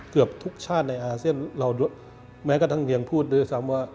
เกือบทุกชาติในอาเซียนเราแม้กระทั่งยังพูดด้วยซ้ำว่า